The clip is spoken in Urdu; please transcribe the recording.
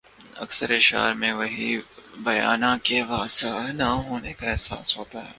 اکثر اشعار میں وہی بیانیہ کے واضح نہ ہونے کا احساس ہوتا ہے۔